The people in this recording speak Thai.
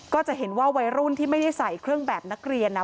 ก็จะเห็นว่าวัยรุ่นที่ไม่ได้ใส่เครื่องแบบนักเรียนนะ